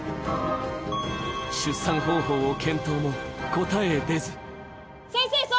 出産方法を検討も答え出ず。